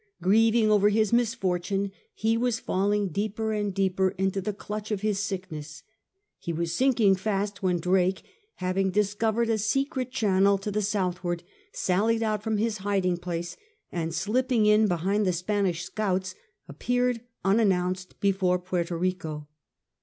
Grieving over his misfortune he was falling deeper and deeper into the clutch of liis sickness. He was sinking fast when Drake having discovered a secret channel to the southward sallied out from hid hiding place, and slipping in behind the Spanish scouts appeared unannounced before Puerto Eico.